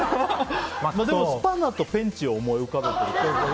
でもスパナとペンチを思い浮かべてるから。